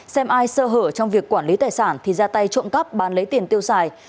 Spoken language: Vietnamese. xem ai sơ hở trong việc quản lý tài sản thì ra tay trộm cắp bán lấy tiền tiêu xài